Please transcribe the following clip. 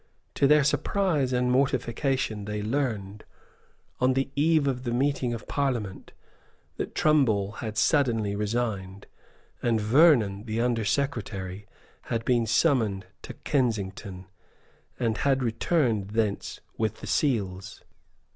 To their surprise and mortification they learned, on the eve of the meeting of Parliament, that Trumball had suddenly resigned, and Vernon, the Under Secretary, had been summoned to Kensington, and had returned thence with the seals.